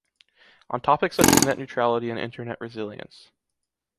On topics such as net neutrality and Internet resilience.